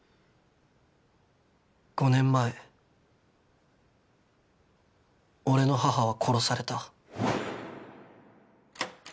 ５年前俺の母は殺された。